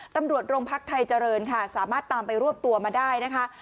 ตำรวจโรงพักไทยเจริญค่ะสามารถตามไปรวบตัวมาได้นะคะ